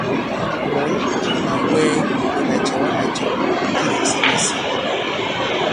Ɓɔ̌n, ɓàbwɛɛ nì ɓàcɛ̀wamàcàw ɓà lèŋsɛ masîn.